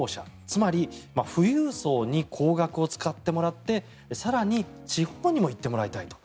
つまり富裕層に高額を使ってもらって更に地方にも行ってもらいたいと。